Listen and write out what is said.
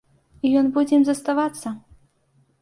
І ён будзе ім заставацца!